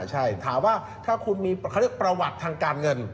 ใช่ถามว่าถ้าคุณมีเขาเรียกประวัติทางการเงิน